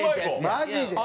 マジで？